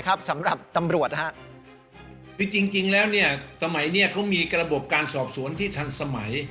ครับสำหรับตำรวจฮะคือจริงจริงแล้วเนี่ยสมัยเนี้ยเขามีระบบการสอบสวนที่ทันสมัย